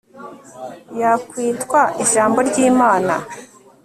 yakwitwa Ijambo ry Imana